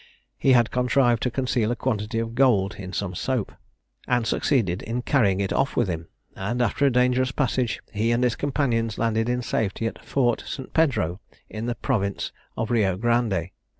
He had contrived to conceal a quantity of gold in some soap, and succeeded in carrying it off with him; and after a dangerous passage, he and his companions landed in safety at Fort St. Pedro, in the province of Rio Grande.